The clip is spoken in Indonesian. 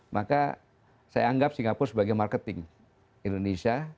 maka saya anggap singapura sebagai marketing indonesia